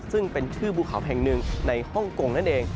ซึ่งเป็นชื่อภูเขาแห่งหนึ่งในฮ่องกงนั่นเอง